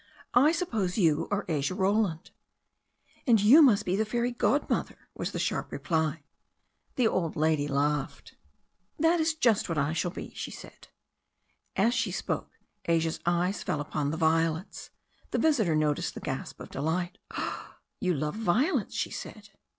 "I suppose you are Asia Roland." "And you must be the fairy godmother," • was the sharp reply. The old lady laughed. 29 30 THE STORY OF A NEW ZEALAND RIVER "That is just what I shall be," she said. As she spoke Asia's eyes fell upon the violets. The vis itor noticed the gasp of delight. "Ah, you love violets?" she said.